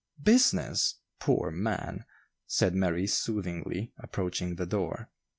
"Business! poor man!" said Mary soothingly, approaching the door.